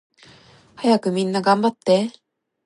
はやくみんながんばって